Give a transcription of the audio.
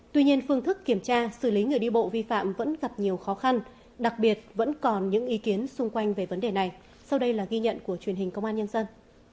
tuy nhiên phương thức kiểm tra xử lý người đi bộ vi phạm vẫn gặp nhiều khó khăn đặc biệt vẫn còn những ý kiến xung quanh về vấn đề này sau đây là ghi nhận của truyền hình công an nhân dân